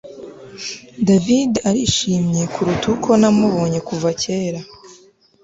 David arishimye kuruta uko namubonye kuva kera